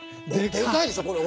でかいでしょこれ。